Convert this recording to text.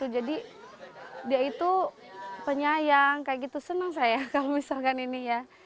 jadi dia itu penyayang kayak gitu senang saya kalau misalkan ini ya